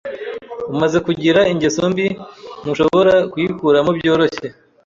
Umaze kugira ingeso mbi, ntushobora kuyikuramo byoroshye.